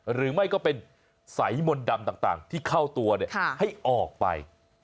หรือไม่ก็เป็นสายมนต์ดำต่างที่เข้าตัวให้ออกไป